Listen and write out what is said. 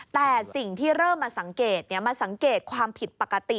แต่สิ่งที่เริ่มมาสังเกตมาสังเกตความผิดปกติ